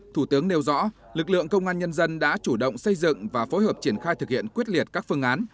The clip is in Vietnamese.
thủ tướng nêu rõ lực lượng công an nhân dân đã chủ động xây dựng và phối hợp triển khai thực hiện quyết liệt các phương án